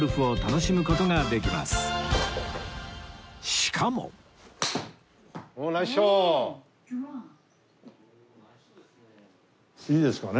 しかもいいですかね。